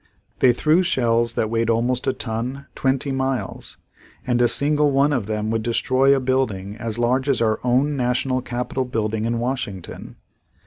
They threw shells that weighed almost a ton twenty miles and a single one of them would destroy a building as large as our own national capital building in Washington.